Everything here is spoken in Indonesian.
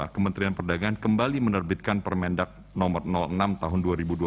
kementerian perdagangan kembali menerbitkan permendak no enam tahun dua ribu dua puluh